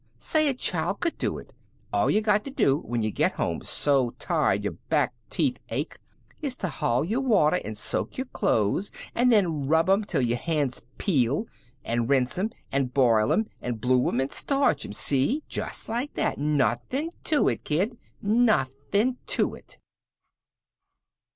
Say, a child could work it. All you got to do, when you get home so tired your back teeth ache, is to haul your water, an' soak your clothes, an' then rub 'em till your hands peel, and rinse 'em, an' boil 'em, and blue 'em, an' starch 'em. See? Just like that. Nothin' to it, kid. Nothin' to it."